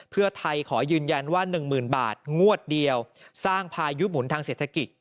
เพื่อไทยขอยืนยันว่า๑๐๐๐บาทงวดเดียวสร้างพายุหมุนทางเศรษฐกิจ